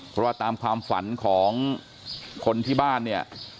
เพราะว่าตามความฝันของคนที่บ้านเนี่ย